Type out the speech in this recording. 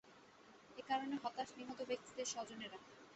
এ কারণে হতাশ নিহত ব্যক্তিদের স্বজনেরা।